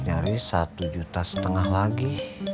nyaris satu juta setengah lagi